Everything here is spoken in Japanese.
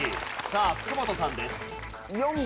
さあ福本さんです。